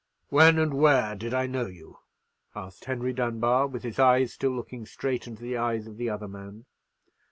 "When and where did I know you?" asked Henry Dunbar, with his eyes still looking straight into the eyes of the other man.